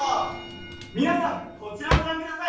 皆さんこちらをご覧ください。